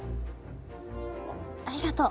ありがとう。